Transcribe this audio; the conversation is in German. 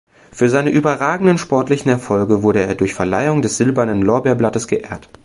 Für seine überragenden sportlichen Erfolge wurde er durch Verleihung des Silbernen Lorbeerblattes geehrt.